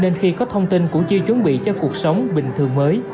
nên khi có thông tin củ chi chuẩn bị cho cuộc sống bình thường mới